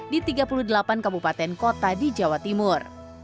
di tiga puluh delapan kabupaten kota di jawa timur